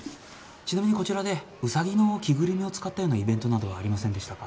ちなみにこちらでウサギの着ぐるみを使ったようなイベントなどはありませんでしたか？